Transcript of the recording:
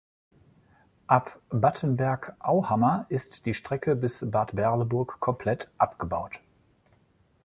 Ab Battenberg-Auhammer ist die Strecke bis Bad Berleburg komplett abgebaut.